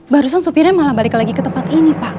barusan supirnya malah balik lagi ke tempat ini pak